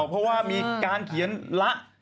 เพราะว่ามีการเขียนละ